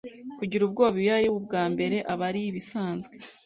kugira ubwoba iyo ari ubwa mbere aba ari ibisanzwe